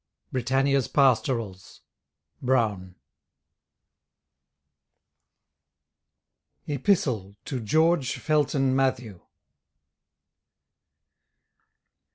Britannia's Pastorals. BROWNE. TO GEORGE FELTON MATHEW.